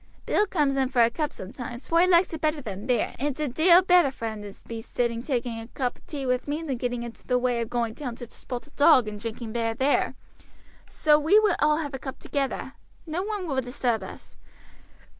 Bill comes in for a cup sometimes, for he likes it better than beer, and it's a deal better for him to be sitting taking a cup of tea with me than getting into the way of going down to the 'Spotted Dog,' and drinking beer there. So we will all have a cup together. No one will disturb us.